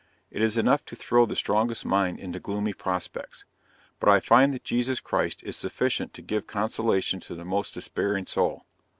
It is enough to throw the strongest mind into gloomy prospects! but I find that Jesus Christ is sufficient to give consolation to the most despairing soul.